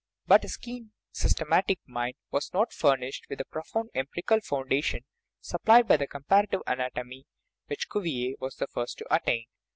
But his keen, systematic mind was not furnished with that pro found empirical foundation, supplied by comparative anatomy, which Cuvier was the first to attain.